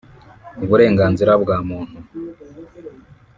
Uburenganzira bwa muntu